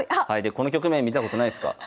この局面見たことないすか？